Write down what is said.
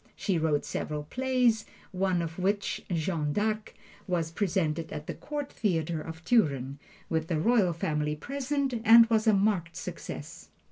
She wrote several plays, one of which, "Jeanne d'Arc," was presented at the Court Theater of Turin, with the Royal Family present, and was a marked success.